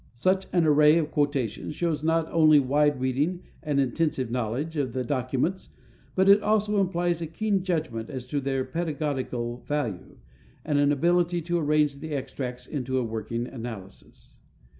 Such an array of quotations shows not only wide reading and intensive knowledge of the documents, but it also implies a keen judgment as to their pedagogical value, and an ability to arrange the extracts into a working analysis.